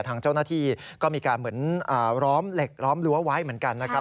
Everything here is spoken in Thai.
ทางเจ้าหน้าที่ก็มีการเหมือนล้อมเหล็กล้อมรั้วไว้เหมือนกันนะครับ